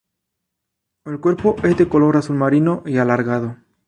El cuerpo es de color azul marino y alargado.